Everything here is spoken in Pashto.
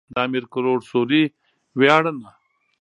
د امير کروړ سوري وياړنه.